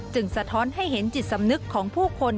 สะท้อนให้เห็นจิตสำนึกของผู้คน